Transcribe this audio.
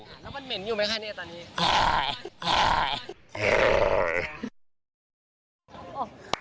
แล้วมันเหม็นอยู่ไหมคะเนี่ยตอนนี้